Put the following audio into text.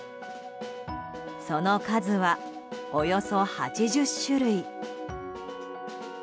その数は、およそ８０種類。